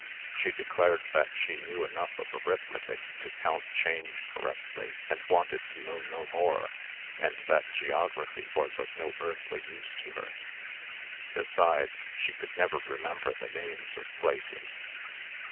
She declared that she knew enough of arithmetic to count change correctly, and wanted to know no more; and that geography was of no earthly use to her. Besides, she never could remember the names of places.